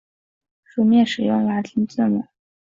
书面使用拉丁字母。